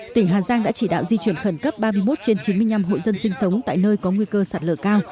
tỉnh hà giang đã chỉ đạo di chuyển khẩn cấp ba mươi một trên chín mươi năm hộ dân sinh sống tại nơi có nguy cơ sạt lở cao